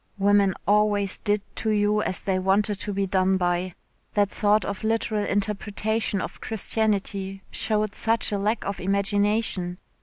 Women always did to you as they wanted to be done by. That sort of literal interpretation of Christianity showed such a lack of imagination.